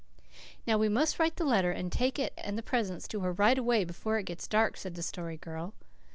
"Now, we must write the letter and take it and the presents to her right away, before it gets dark," said the Story Girl.